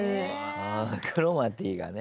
クロマティがね